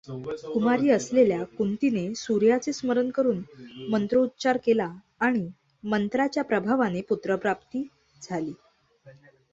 कुमारी असलेल्या कुंतीने सूर्याचे स्मरण करून मंत्रोच्चार केला आणि मंत्राच्या प्रभावाने पुत्रप्राप्ती झाली.